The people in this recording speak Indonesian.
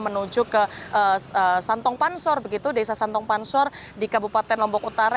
menuju ke santong pansor begitu desa santong pansor di kabupaten lombok utara